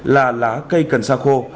là lá cây cần xa khô